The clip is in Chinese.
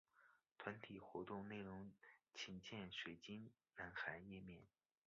团体活动内容请见水晶男孩页面。